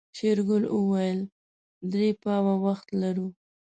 شېرګل وويل درې پاوه وخت لرو.